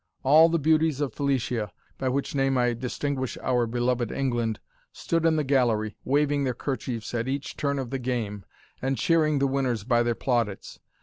All the beauties of Felicia (by which name I distinguish our beloved England) stood in the gallery, waving their kerchiefs at each turn of the game, and cheering the winners by their plaudits.